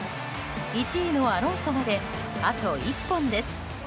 １位のアロンソまであと１本です。